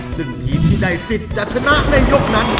ซึ่งทีมที่ได้สิทธิ์จะชนะในยกนั้น